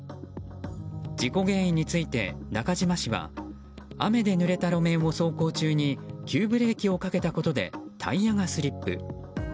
事故原因について、中島氏は雨でぬれた路面を走行中に急ブレーキをかけたことでタイヤがスリップ。